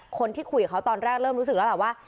คนที่คุยกับเขาตอนแรกเริ่มรู้สึกแล้วล่ะว่า